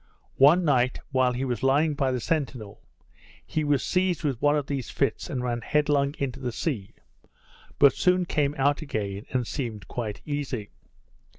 One night, while he was lying by the centinel, he was seized with one of these fits, and ran headlong into the sea; but soon came out again, and seemed quite easy.